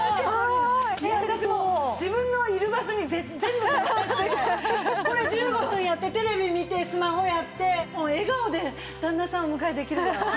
私もう自分のいる場所に全部持ってってこれ１５分やってテレビ見てスマホやってもう笑顔で旦那さんお迎えできるわ。